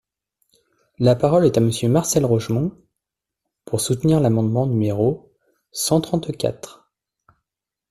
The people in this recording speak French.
La parole est à Monsieur Marcel Rogemont, pour soutenir l’amendement numéro cent trente-quatre.